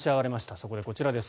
そこで、こちらです。